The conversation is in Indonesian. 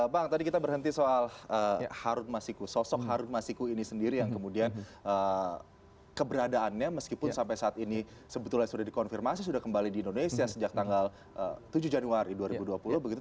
bang tadi kita berhenti soal harun masiku sosok harun masiku ini sendiri yang kemudian keberadaannya meskipun sampai saat ini sebetulnya sudah dikonfirmasi sudah kembali di indonesia sejak tanggal tujuh januari dua ribu dua puluh begitu